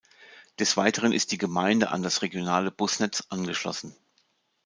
Des Weiteren ist die Gemeinde an das regionale Busnetz angeschlossen.